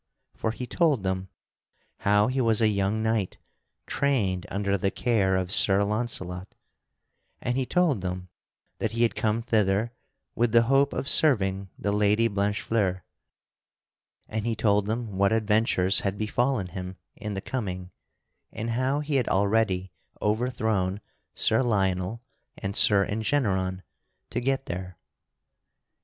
For he told them how he was a young knight trained under the care of Sir Launcelot; and he told them that he had come thither with the hope of serving the Lady Blanchefleur; and he told them what adventures had befallen him in the coming and how he had already overthrown Sir Lionel and Sir Engeneron to get there.